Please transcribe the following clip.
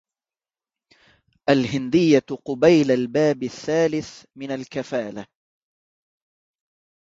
الْهِنْدِيَّةُ قُبَيْلَ الْبَابِ الثَّالِثِ مِنْ الْكَفَالَةِ